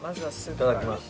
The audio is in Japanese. いただきます。